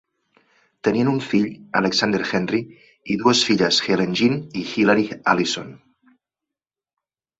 Tenien un fill, Alexander Henry, i dues filles, Helen Jean i Hilary Alison.